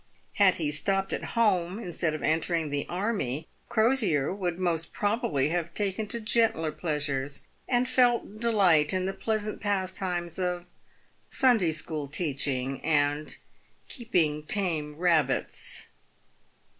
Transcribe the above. Had he stopt at home instead of entering the army, Crosier would most probably have taken to gentler pleasures, and felt delight in the pleasant pastimes of Sunday school teaching, and keeping tame rabbits.